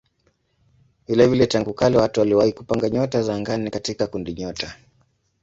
Vilevile tangu kale watu waliwahi kupanga nyota za angani katika kundinyota.